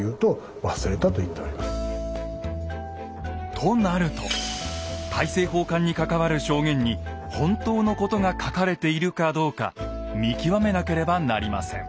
となると大政奉還に関わる証言に本当のことが書かれているかどうか見極めなければなりません。